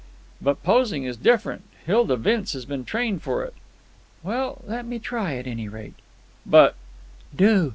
"But posing is different. Hilda Vince has been trained for it." "Well let me try, at any rate." "But——" "Do!